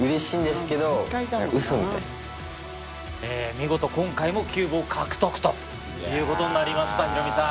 見事今回もキューブを獲得ということになりましたヒロミさん。